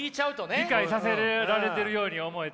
理解させられてるように思えて。